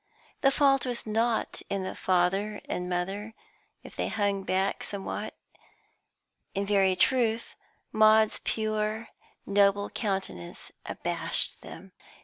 The fault was not in the father and mother if they hung back somewhat; in very truth, Maud's pure, noble countenance abashed them.